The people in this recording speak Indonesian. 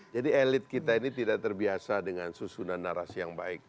elit kita ini tidak terbiasa dengan susunan narasi yang baik